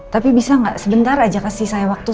tapi bisa nggak sebentar aja kasih saya waktu